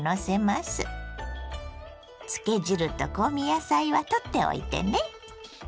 漬け汁と香味野菜は取っておいてね。